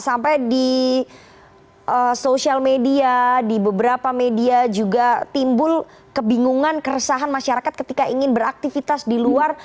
sampai di sosial media di beberapa media juga timbul kebingungan keresahan masyarakat ketika ingin beraktivitas di luar